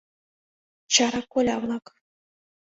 — Чара коля-влак!